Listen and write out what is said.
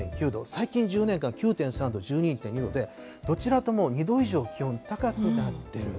最近１０年間９．３度、１２．２度で、どちらとも２度以上気温、高くなっている。